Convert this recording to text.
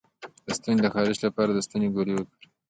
د ستوني د خارش لپاره د ستوني ګولۍ وکاروئ